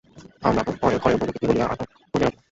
আমরা পরের ঘরের বধূকে কী বলিয়া আটক করিয়া রাখিব।